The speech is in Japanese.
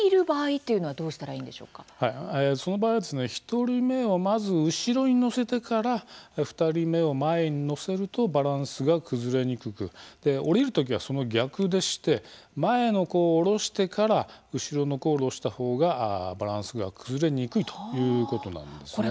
１人目をまず後ろに乗せてから２人目を前に乗せるとバランスが崩れにくくで降りる時はその逆でして前の子を降ろしてから後ろの子を降ろした方がバランスが崩れにくいということなんですね。